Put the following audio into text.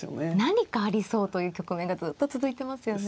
何かありそうという局面がずっと続いてますよね。